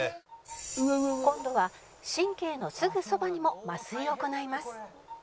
「今度は神経のすぐそばにも麻酔を行います」